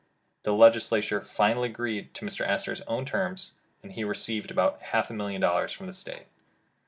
The Legislature finally agreed to Mr. Astor 's own terms, and he received about half a million dollars from the State.